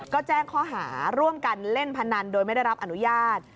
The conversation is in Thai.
ก็แจ้งข้อหาร่วมกันเล่นพนันโดยไม่ได้รับอนุญาต